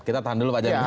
kita tahan dulu pak jamil